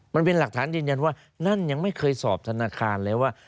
มันเป็นหลักฐานยืนยันว่านั่นยังไม่เคยสอบธนาคารเลยว่า